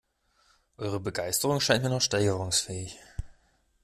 Eure Begeisterung scheint mir noch steigerungsfähig.